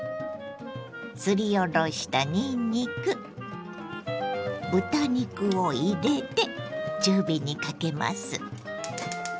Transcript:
すりおろしたにんにく豚肉を入れて中火にかけます。